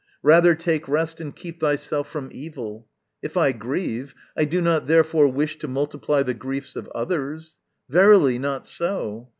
Rather take rest And keep thyself from evil. If I grieve, I do not therefore wish to multiply The griefs of others. Verily, not so!